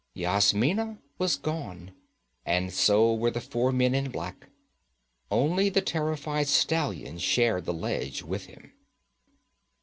Yasmina was gone, and so were the four men in black. Only the terrified stallion shared the ledge with him.